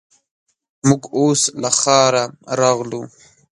موږ اوس له ښاره راغلو.